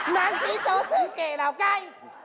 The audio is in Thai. มังศรีโสซื้อเก๋เหล่าใกล้